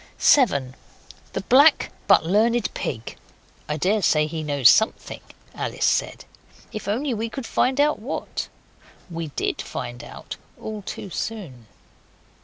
7. The Black but Learned Pig. ['I daresay he knows something,' Alice said, 'if we can only find out what.' We DID find out all too soon.)